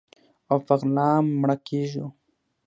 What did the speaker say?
او په غلا مړه کیږو